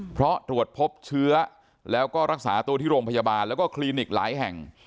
เพราะตรวจพบเชื้อแล้วก็รักษาตัวที่โรงพยาบาลแล้วก็คลินิกหลายแห่ง